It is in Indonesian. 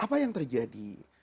apa yang terjadi